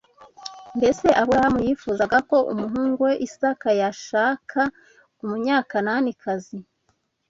Mbese Aburahamu yifuzaga ko umuhungu we Isaka yashaka Umunyakanaanikazi